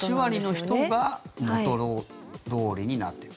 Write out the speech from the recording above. ８割の人が元どおりになっている。